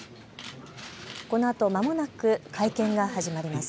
このあと間もなく会見が始まります。